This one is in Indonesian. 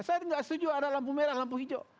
saya tidak setuju ada lampu merah lampu hijau